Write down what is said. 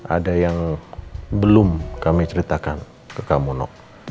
ada yang belum kami ceritakan ke kamu no